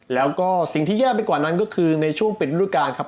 แล้วก็สิ่งที่แย่ไปกว่านั้นก็คือในช่วงปิดฤดูการครับ